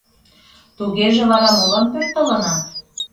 Тугеже вара молан пӧртылынат?